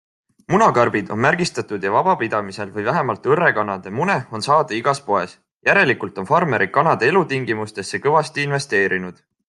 Munakarbid on märgistatud ja vabapidamisel või vähemalt õrrekanade mune on saada igas poes - järelikult on farmerid kanade elutingimustesse kõvasti investeerinud.